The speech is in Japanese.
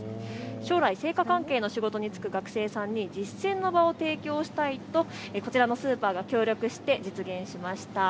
将来、製菓関係の仕事に就く学生さんに実践の場を提供したいとこちらのスーパーが協力してコラボが実現しました。